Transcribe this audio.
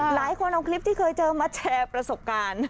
หลายคนเอาคลิปที่เคยเจอมาแชร์ประสบการณ์